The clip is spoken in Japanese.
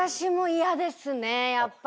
やっぱり。